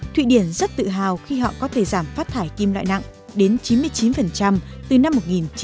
thụy điển rất tự hào khi họ có thể giảm phát thải kim loại nặng đến chín mươi chín từ năm một nghìn chín trăm bảy mươi